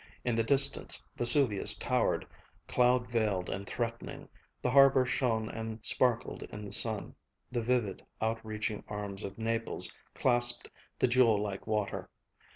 In the distance Vesuvius towered, cloud veiled and threatening, the harbor shone and sparkled in the sun, the vivid, outreaching arms of Naples clasped the jewel like water.